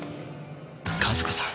和子さん。